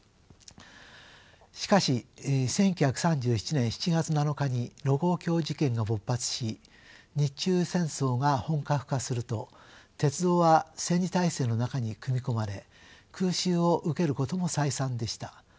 しかし１９３７年７月７日に盧溝橋事件が勃発し日中戦争が本格化すると鉄道は戦時体制の中に組み込まれ空襲を受けることも再三でした。